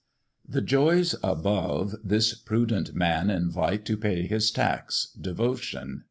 The joys above this prudent man invite To pay his tax devotion!